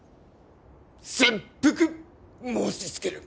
切腹申しつける。